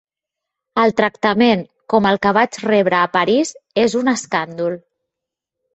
El tractament com el que vaig rebre a París és un escàndol.